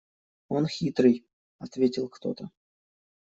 – Он хитрый, – ответил кто-то.